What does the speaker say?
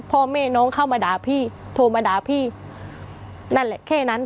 พ่อแม่น้องเข้ามาด่าพี่โทรมาด่าพี่นั่นแหละแค่นั้น